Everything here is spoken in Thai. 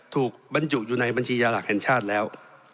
บรรจุอยู่ในบัญชียาหลักแห่งชาติแล้ว